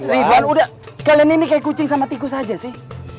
ridwan udah kalian ini kayak kucing sama tikus aja sih